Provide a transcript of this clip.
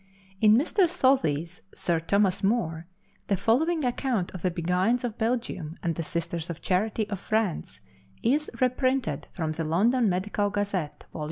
(In Mr. Southey's "Sir Thomas More" the following account of the Beguines of Belgium and the Sisters of Charity of France is reprinted from the London Medical Gazette, Vol.